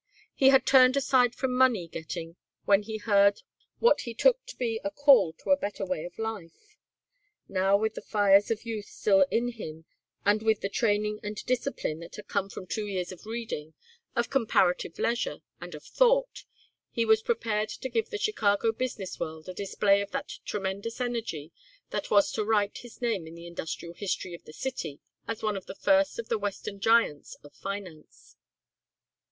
He had turned aside from money getting when he heard what he took to be a call to a better way of life. Now with the fires of youth still in him and with the training and discipline that had come from two years of reading, of comparative leisure and of thought, he was prepared to give the Chicago business world a display of that tremendous energy that was to write his name in the industrial history of the city as one of the first of the western giants of finance.